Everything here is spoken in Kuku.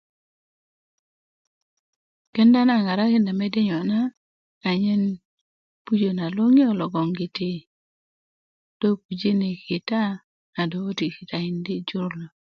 kenda na a ŋarakinda mede niyo na a nyen pujä na lokiyo logogiti dó pujini kita a dó käti kitakindi jur